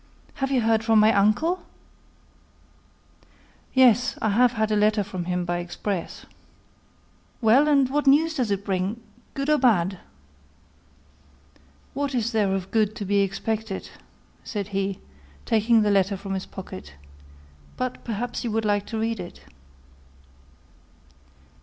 have you heard from my uncle?" "Yes, I have had a letter from him by express." "Well, and what news does it bring good or bad?" "What is there of good to be expected?" said he, taking the letter from his pocket; "but perhaps you would like to read it."